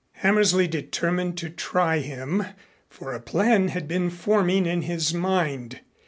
Hammersley determined to try him, for a plan had been forming in his mind.